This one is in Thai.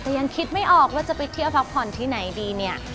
แต่ยังคิดไม่ออกว่าจะไปเที่ยวพักผ่อนที่ไหนดีเนี่ย